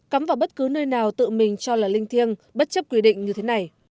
cắm vào bất cứ nơi nào tự mình cho là linh thiêng bất chấp quy định như thế này